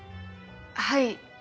はい。